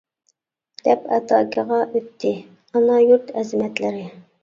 دەپ ئاتاكىغا ئۆتتى ئانا يۇرت ئەزىمەتلىرى.